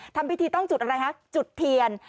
ทำพิธีต้องจุดอะไรฮะจุดเทียน